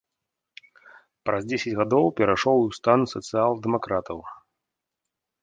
Праз дзесяць гадоў перайшоў у стан сацыял-дэмакратаў.